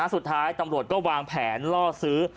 สุดท้ายตำรวจก็วางแผนล่อซื้อ